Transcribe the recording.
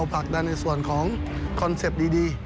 ปากได้ในส่วนของคอนเซ็ปต์ดี